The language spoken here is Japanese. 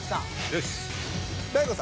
よし。